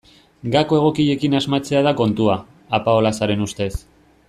Gako egokiekin asmatzea da kontua, Apaolazaren ustez.